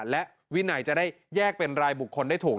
และวินัยจะได้แยกเป็นรายบุคคลได้ถูก